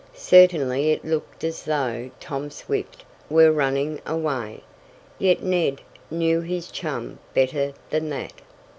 Certainly it looked as though Tom Swift were running away. Yet Ned knew his chum better than that.